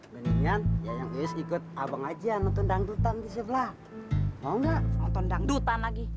mendingan yang is ikut abang aja nonton dangdutan di sebelah mau nggak nonton dangdutan lagi